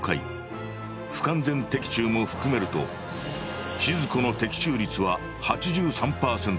不完全的中も含めると千鶴子の的中率は８３％。